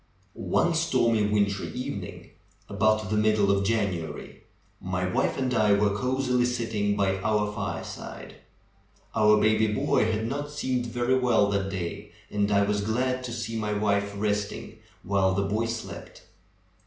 One stormy, wintry evening about the middle of January, my wife and I were cosily sitting by our fire side. Our baby boy had not seemed very well that day and I was glad to see my wife resting while the boy slept.